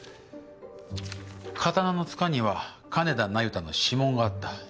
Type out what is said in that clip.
刀のつかには金田那由他の指紋があった。